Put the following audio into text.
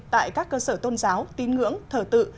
tại các cơ sở tôn giáo tín ngưỡng thờ tự